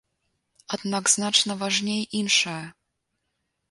Аднак значна важней іншае.